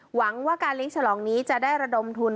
หวังว่าการเลี้ยงฉลองนี้จะได้ระดมทุน